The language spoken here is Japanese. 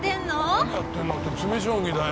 「何やってるの？」って詰将棋だよ。